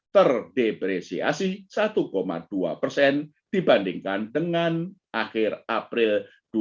terdepresiasi satu dua persen dibandingkan dengan akhir april dua ribu dua puluh